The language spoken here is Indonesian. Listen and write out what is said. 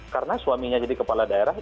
karena suaminya jadi kepala daerah